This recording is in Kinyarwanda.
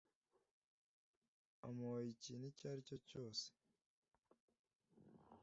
amuhoye ikintu icyo ari cyo cyose